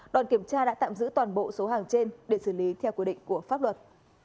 đoàn kiểm tra đã tạm giữ toàn bộ số hàng trên để xử lý theo quy định của pháp luật